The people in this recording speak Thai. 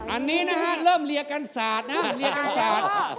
อันนี้ลืมเรียกกันสาดนะ